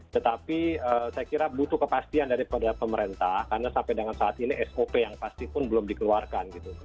tetapi saya kira butuh kepastian daripada pemerintah karena sampai dengan saat ini sop yang pasti pun belum dikeluarkan